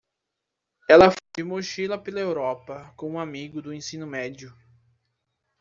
Ela foi de mochila pela Europa com um amigo do ensino médio.